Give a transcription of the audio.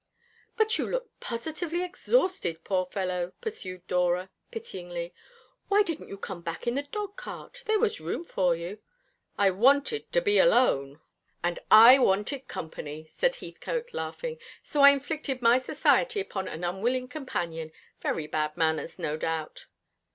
"But you look positively exhausted, poor fellow," pursued Dora pityingly. "Why didn't you come back in the dog cart? There was room for you." "I wanted to be alone." "And I wanted company," said Heathcote, laughing, "so I inflicted my society upon an unwilling companion. Very bad manners, no doubt."